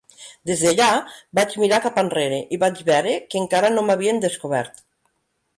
Des d"allà, vaig mirar cap enrere i vaig veure que encara no m"havien descobert.